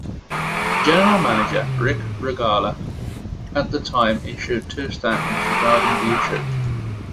General manager Rick Rogala at the time issued two statements regarding the issue.